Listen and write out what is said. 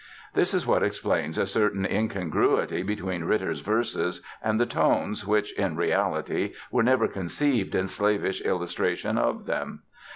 This is what explains a certain incongruity between Ritter's verses and the tones which, in reality were never conceived in slavish illustration of them.